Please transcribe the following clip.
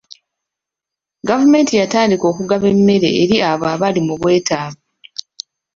Gavumenti yatandika okugaba emmere eri abo abaali mu bwetaavu.